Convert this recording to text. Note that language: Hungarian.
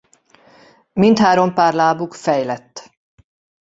Mindhárom pár lábuk fejlett.